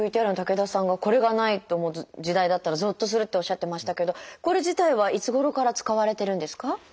ＶＴＲの竹田さんが「これがない時代だったらぞっとする」っておっしゃってましたけどこれ自体はいつごろから使われてるんですか？